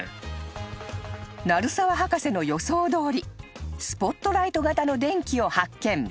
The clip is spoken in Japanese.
［鳴沢博士の予想どおりスポットライト型の電気を発見］